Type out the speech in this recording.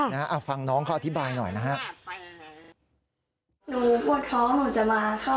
ฮะฟังน้องเขาอธิบายหน่อยนะครับ